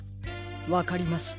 わかりました。